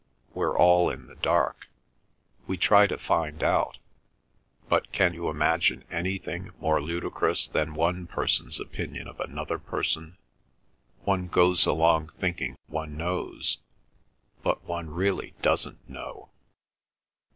We're all in the dark. We try to find out, but can you imagine anything more ludicrous than one person's opinion of another person? One goes along thinking one knows; but one really doesn't know."